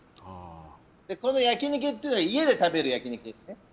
この焼き肉というのは家で食べる焼き肉。